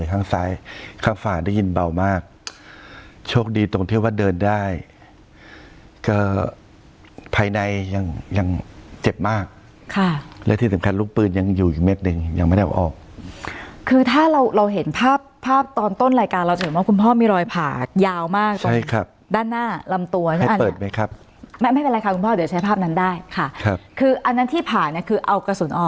หินเบามากโชคดีตรงที่ว่าเดินได้ก็ภายในยังยังเจ็บมากค่ะแล้วที่สำคัญลูกปืนยังอยู่อยู่เม็ดหนึ่งยังไม่ได้เอาออกคือถ้าเราเราเห็นภาพภาพตอนต้นรายการเราจะเห็นว่าคุณพ่อมีรอยผ่ายาวมากใช่ครับด้านหน้าลำตัวให้เปิดไหมครับไม่ไม่เป็นไรค่ะคุณพ่อเดี๋ยวใช้ภาพนั้นได้ค่ะครับคืออันนั้